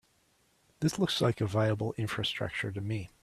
This looks like a viable infrastructure to me.